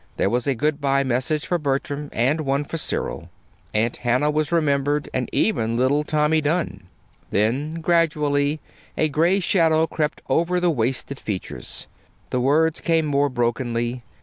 There was a good by message for Bertram, and one for Cyril. Aunt Hannah was remembered, and even little Tommy Dunn. Then, gradually, a gray shadow crept over the wasted features. The words came more brokenly.